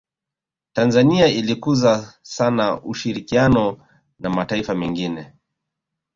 tanzania ilikuza sana ushirikiano na mataifa mengine